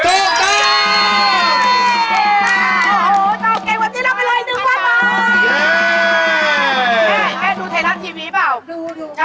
ดู